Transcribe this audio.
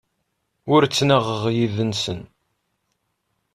Ur ttnaɣeɣ yid-sen.